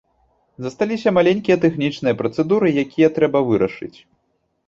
Засталіся маленькія тэхнічныя працэдуры, якія трэба вырашыць.